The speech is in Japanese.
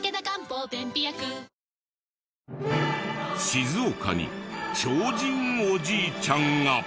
静岡に超人おじいちゃんが。